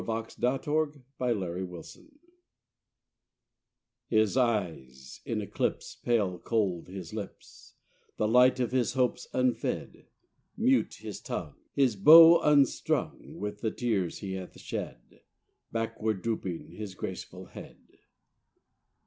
II =The Burial of Love= His eyes in eclipse, Pale cold his lips, The light of his hopes unfed, Mute his tongue, His bow unstrung With the tears he hath shed, Backward drooping his graceful head.